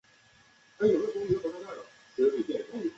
新北市区道列表列出新北市区道的起终点与里程。